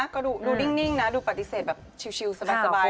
ก็ดูนิ่งนะดูปฏิเสธแบบชิลสบาย